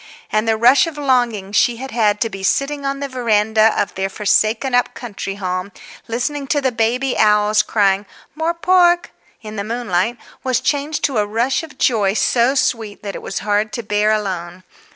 And the rush of longing she had had to be sitting on the veranda of their forsaken up country home, listening to the baby owls crying "More pork" in the moonlight, was changed to a rush of joy so sweet that it was hard to bear alone.